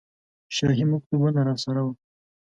شاهي مکتوبونه راسره وو.